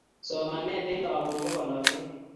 Somanet eng' lakok ko konorwet